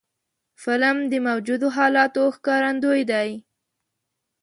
فلم د موجودو حالاتو ښکارندوی دی